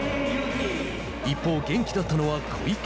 一方、元気だったのは小池。